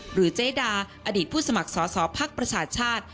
หรือเจดาอดีตผู้สมัครสอบภาคประชาชาติ